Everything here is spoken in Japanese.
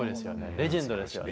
レジェンドです。